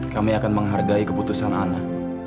kami akan menghargai keputusan anda